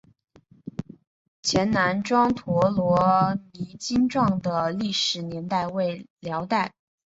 前南庄陀罗尼经幢的历史年代为辽代。